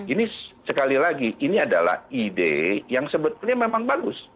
ini sekali lagi ini adalah ide yang sebetulnya memang bagus